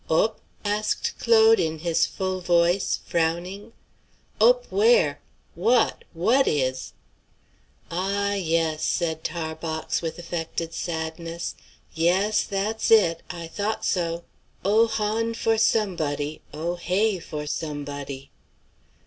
"Op?" asked Claude, in his full voice, frowning. "Op where? w'at, w'at is?" "Ah, yes!" said Tarbox, with affected sadness. "Yes, that's it; I thought so. 'Oh hon for somebody, oh hey for somebody.'"